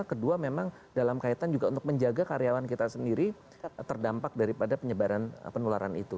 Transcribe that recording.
kedua memang dalam kaitan juga untuk menjaga karyawan kita sendiri terdampak daripada penyebaran penularan itu